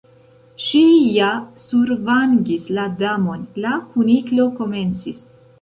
"Ŝi ja survangis la Damon—" la Kuniklo komencis.